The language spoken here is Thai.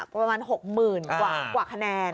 ประมาณ๖๐๐๐กว่าคะแนน